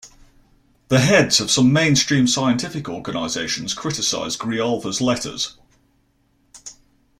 The heads of some mainstream scientific organizations criticized Grijalva's letters.